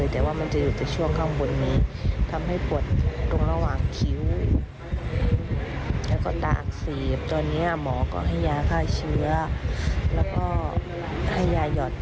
ตอนนี้ตาเข้าหยุดขึ้นไปเยอะแล้ว